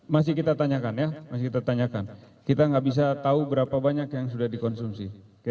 masih kita tanyakan ya masih kita tanyakan kita nggak bisa tahu berapa banyak yang sudah dikonsumsi